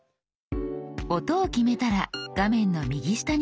音を決めたら画面の右下にあるこちら。